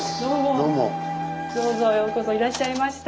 どうぞようこそいらっしゃいました。